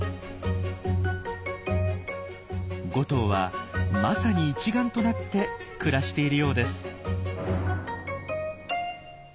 ５頭はまさに一丸となって暮らしているようです。